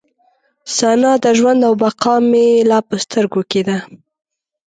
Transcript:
ثنا د ژوند او د بقا مې لا په سترګو کې ده.